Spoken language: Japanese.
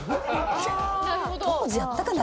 当時あったかな？